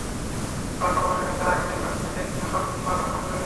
শুধু আত্মপ্রকাশই নয়, তারা আগামী নির্বাচনে সিনেটে একটি আসন লাভেরও স্বপ্ন দেখছে।